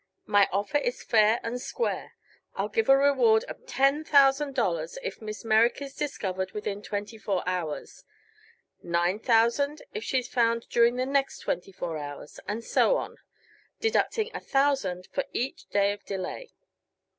My offer is fair and square. I'll give a reward of ten thousand dollars if Miss Merrick is discovered within twenty four hours; nine thousand if she's found during the next twenty four hours; and so on, deducting a thousand for each day of delay.